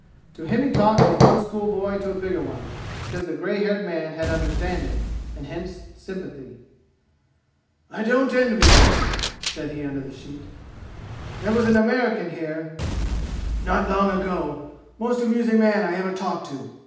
To him he talked as one schoolboy to a bigger one, because the gray haired man had understanding, and hence sympathy. "I don't envy you!" said he under the sheet. "There was an American here not long ago most amusing man I ever talked to.